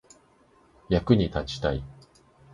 役に立ちたい